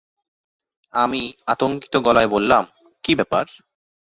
আমি আতঙ্কিত গলায় বললাম, কী ব্যাপার?